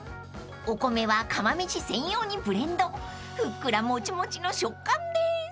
［お米は釜飯専用にブレンドふっくらもちもちの食感です］